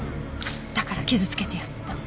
「だから傷つけてやった」